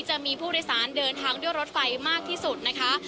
จะมีผู้โดยสารเดินทางด้วยรถไฟมากที่สุดนะคะ